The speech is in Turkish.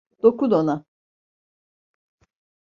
Dokun ona.